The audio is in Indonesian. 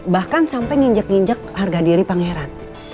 bahkan sampai nginjek ninjek harga diri pangeran